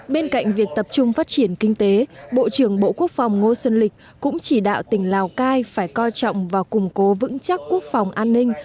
bên cạnh việc tập trung phát triển kinh tế bộ trưởng bộ quốc phòng ngô xuân lịch cũng chỉ đạo tỉnh lào cai phải coi trọng và củng cố vững chắc quốc phòng an ninh